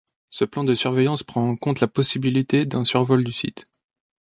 Ce plan de surveillance prend en compte la possibilité d’un survol du site.